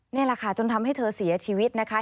นี่แหละค่ะจนทำให้เธอเสียชีวิตนะคะ